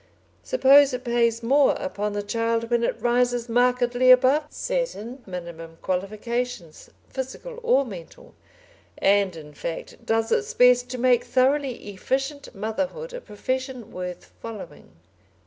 Suppose it pays more upon the child when it rises markedly above certain minimum qualifications, physical or mental, and, in fact, does its best to make thoroughly efficient motherhood a profession worth following.